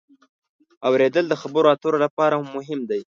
اورېدل د خبرو اترو لپاره مهم دی.